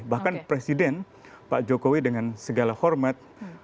bahkan presiden pak jokowi dengan segala hormat